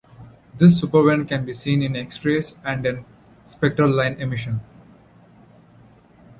This superwind can be seen in X-rays and in spectral line emission.